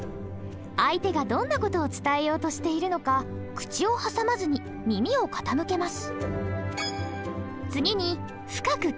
相手がどんな事を伝えようとしているのか口を挟まずに耳を傾けます。